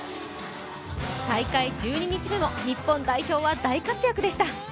大会１２日目も日本代表は大活躍でした。